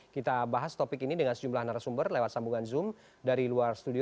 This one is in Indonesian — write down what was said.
kita bahas topik ini dengan sejumlah narasumber lewat sambungan zoom dari luar studio